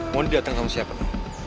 mohon biarkan kamu siapkan